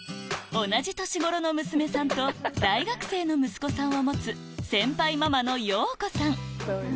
同じ年頃の娘さんと大学生の息子さんを持つ先輩ママのヨウコさん